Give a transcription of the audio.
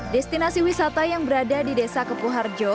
destinasi wisata yang berada di desa kepuharjo